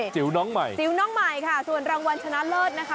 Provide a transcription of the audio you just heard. จิ๋วน้องใหม่จิ๋วน้องใหม่ค่ะส่วนรางวัลชนะเลิศนะคะ